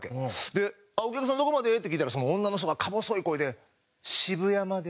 で「お客さんどこまで？」って聞いたらその女の人がか細い声で「渋谷まで」。